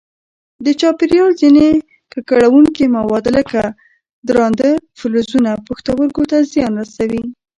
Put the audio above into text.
د چاپېریال ځیني ککړونکي مواد لکه درانده فلزونه پښتورګو ته زیان رسوي.